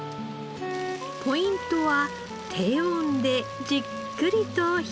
ポイントは低温でじっくりと火を入れる事。